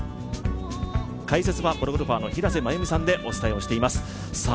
解説はプロゴルファーの平瀬真由美さんでお伝えしています。